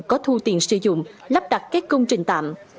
có thu tiền sử dụng lắp đặt các công trình tạm